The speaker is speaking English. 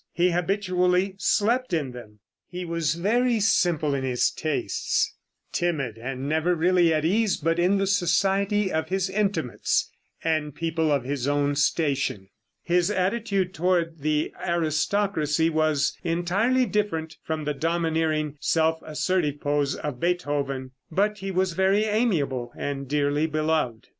He habitually slept in them. He was very simple in his tastes, timid and never really at ease but in the society of his intimates and people of his own station. His attitude toward the aristocracy was entirely different from the domineering, self assertive pose of Beethoven, but he was very amiable, and dearly beloved.